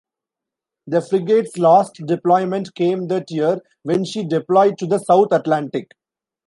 The frigate's last deployment came that year when she deployed to the South Atlantic.